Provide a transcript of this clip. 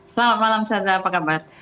selamat malam sarja apa kabar